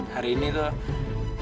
hari ini tuh